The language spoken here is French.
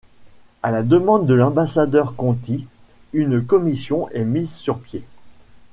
À la demande de l'ambassadeur Conty, une commission est mise sur pied.